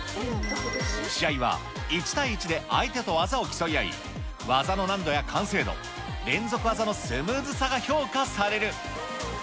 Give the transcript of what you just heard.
試合は１対１で相手と技を競い合い、技の難度や完成度、連続技のスムーズさが評価される。